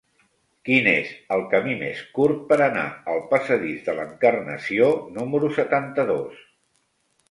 Quin és el camí més curt per anar al passadís de l'Encarnació número setanta-dos?